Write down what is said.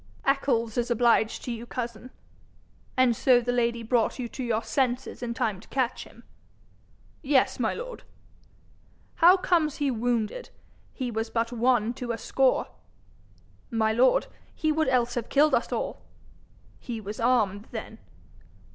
'Eccles is obliged to you, cousin. And so the lady brought you to your senses in time to catch him?' 'Yes, my lord.' 'How comes he wounded? He was but one to a score.' 'My lord, he would else have killed us all.' 'He was armed then?'